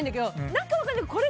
何か分かんないんだけど。